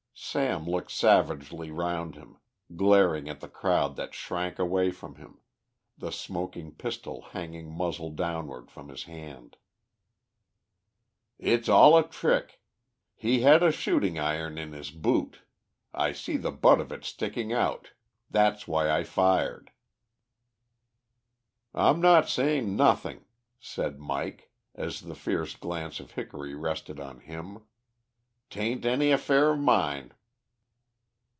Sam looked savagely round him, glaring at the crowd that shrank away from him, the smoking pistol hanging muzzle downward from his hand. "It's all a trick. He had a shooting iron in his boot. I see the butt of it sticking out. That's why I fired." "I'm not saying nothing," said Mike, as the fierce glance of Hickory rested on him, "'tain't any affair of mine."